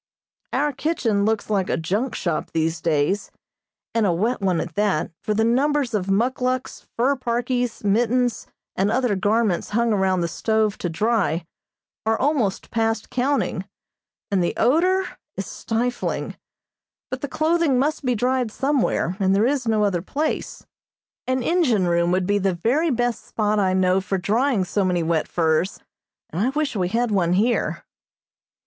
Our kitchen looks like a junk shop these days, and a wet one at that, for the numbers of muckluks, fur parkies, mittens, and other garments hung around the stove to dry are almost past counting, and the odor is stifling; but the clothing must be dried somewhere, and there is no other place. An engine room would be the very best spot I know for drying so many wet furs, and I wish we had one here.